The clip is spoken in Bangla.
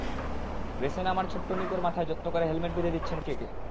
রেসে নামার ছোট্ট নিকোর মাথায় যত্ন করে হেলমেট বেঁধে দিচ্ছেন কেকে।